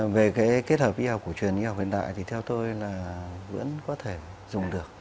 về cái kết hợp y học cổ truyền y học hiện đại thì theo tôi là vẫn có thể dùng được